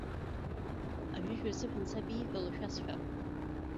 Аҩыжәра азыҳәан саб ииҳәало шәасҳәап.